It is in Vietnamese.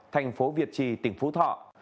thành phố việt trì tỉnh phú thọ